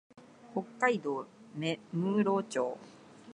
北海道芽室町